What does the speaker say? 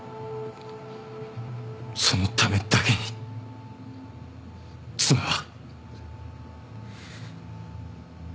そのためだけに妻は。